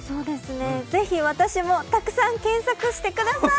ぜひ私もたくさん検索してください！